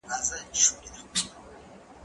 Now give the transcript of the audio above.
زه کولای سم زده کړه وکړم